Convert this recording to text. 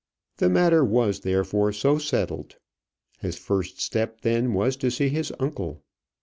The matter was therefore so settled. His first step, then, was to see his uncle.